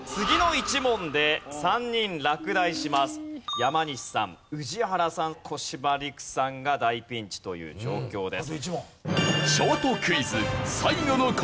山西さん宇治原さん小柴陸さんが大ピンチという状況です。